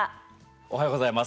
おはようございます。